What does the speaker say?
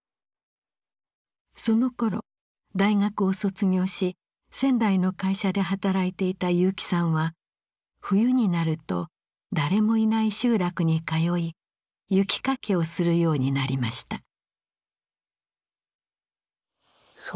そのころ大学を卒業し仙台の会社で働いていた結城さんは冬になると誰もいない集落に通い雪かきをするようになりました。